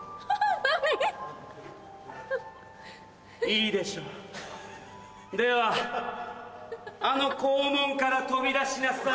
いいでしょうではあの肛門から飛び出しなさい。